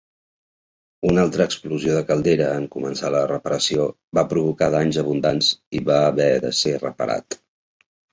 Una altra explosió de caldera en començar la reparació va provocar danys abundants i va haver de ser reparat.